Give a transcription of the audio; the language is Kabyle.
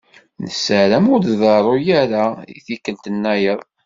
Nessaram ur d-iḍeṛṛu ara i tikkelt-nnayeḍ.